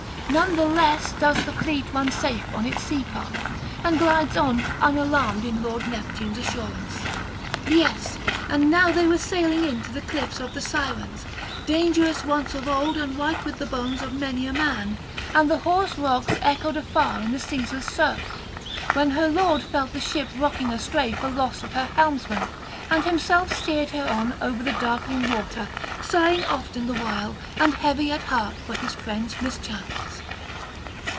None the less does the fleet run safe on its sea path, and glides on unalarmed in lord Neptune's assurance. Yes, and now they were sailing in to the cliffs of the Sirens, dangerous once of old and white with the bones of many a man; and the hoarse rocks echoed afar in the ceaseless surf; when her lord felt the ship rocking astray for loss of her helmsman, and himself steered her on over the darkling water, sighing often the while, and heavy at heart for his friend's mischance.